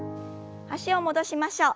脚を戻しましょう。